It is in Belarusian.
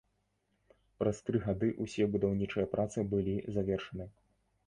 Праз тры гады ўсе будаўнічыя працы былі завершаны.